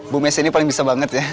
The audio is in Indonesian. bu messa ini paling bisa banget ya